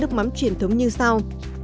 nước mắm truyền thống như sau